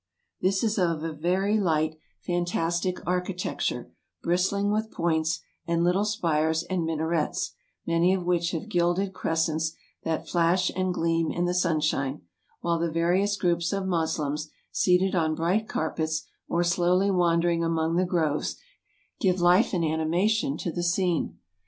This is of a very light, fantastic architecture, bristling with points, and little spires and minarets, many of which have gilded cres cents that flash and gleam in the sunshine; while the various groups of Moslems, seated on bright carpets, or slowly wan dering among the groves, give life and animation to the scene.